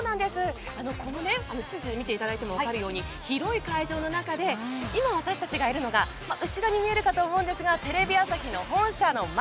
この地図見ていただいてもわかるように広い会場の中で今、私たちがいるのが後ろに見えるかと思うんですがテレビ朝日の本社の前。